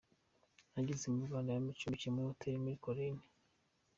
Ageze mu Rwanda yacumbikiwe muri Hotel Milles Collines.